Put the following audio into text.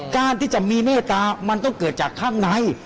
การที่จะมีเมตตามันต้องเกิดจากข้างใน